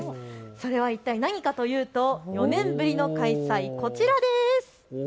それはいったい何かというと、４年ぶりの開催、こちらです。